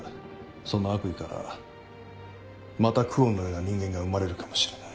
その悪意からまた久遠のような人間が生まれるかもしれない。